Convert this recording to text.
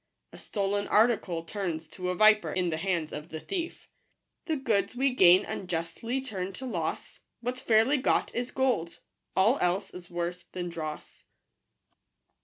A stolen article turns to a viper in the hands of the thief." The goods we gain unjustly turn to loss : What's fairly got is gold ; all else is worse than dross.